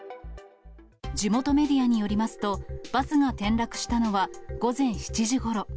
地元メディアによりますと、バスが転落したのは午前７時ごろ。